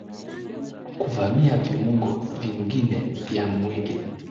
kuvamia viungo vingine vya mwili